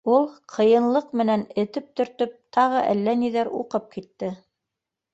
Ул ҡыйынлыҡ менән, этеп-төртөп, тағы әллә ниҙәр уҡып китте.